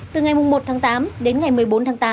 từ ngày một tháng tám đến ngày một mươi bốn tháng tám